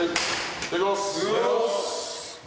いただきます。